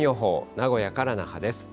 名古屋から那覇です。